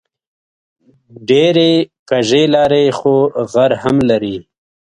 ډېرې کږې لارې خو غر هم لري